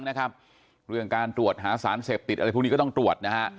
เรื่องการก่อเหตุอีกครั้งนะครับเรื่องการตรวจหาสารเสพติดอะไรพรุ่งนี้ก็ต้องตรวจนะฮะ